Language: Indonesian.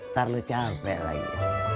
ntar lu capek lagi